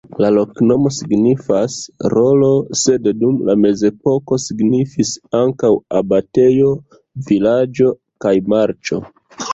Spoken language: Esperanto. La loknomo signifas: rolo, sed dum la mezepoko signifis ankaŭ abatejo, vilaĝo kaj marĉo.